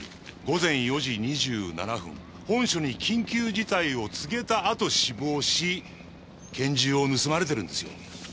午前４時２７分本署に緊急事態を告げたあと死亡し拳銃を盗まれているんですよ。